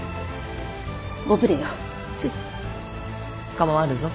構わぬぞ。